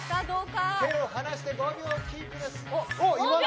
手を離して５秒キープです。